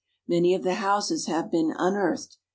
Many of the houses have been unearthed.